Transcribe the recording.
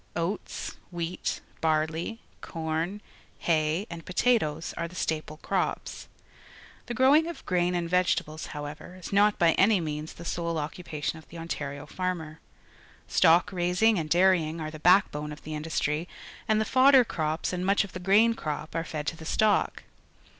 OatSj wheat, barley, corn, hay, and pota toes are the staple crops. The growing of £rain and vegetables, however, is not by any means the sole occupation of the Ontario farmer. _Stock raising and dairying are the backbone of the industiy, and the fodder crops and much of the grain crop are fed to the stock.